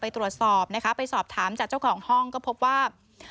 ตรวจสอบถามจากเจ้าของห้องก็พบว่า